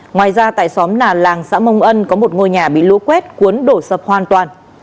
ngoài ra tại xóm nà làng xã mông ân có một ngôi nhà bị lũ quét cuốn đổ sập hoàn toàn